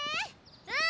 うん！